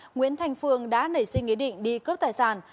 nguyễn thành phương đã nảy sinh ý định đi cướp tài sản